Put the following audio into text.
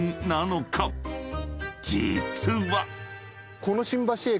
［実は］